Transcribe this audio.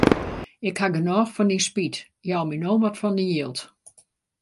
Ik haw genôch fan dyn spyt, jou my no wat fan dyn jild.